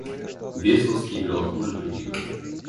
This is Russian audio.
Весловский играл хуже других.